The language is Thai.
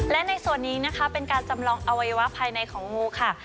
และในส่วนนี้นะคะเป็นการจำลองอวัยวะภายในของงูค่ะ